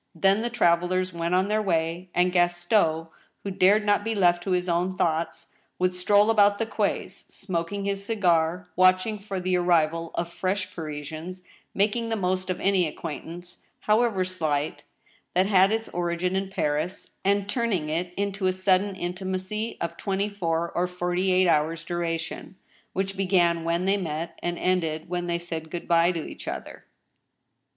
Then the travelers went on their way, and Gaston, who dared not be left to his own thoughts, would stroll about the quays, smoking his cigar, watching for the arrival of fresh Parisians, making the most of any acquaintance, however slight, that had its origin in Paris, and turning it into a sudden intimacy of twenty four or forty eight hours' duration, which began when they met and ended when they said good by to each other.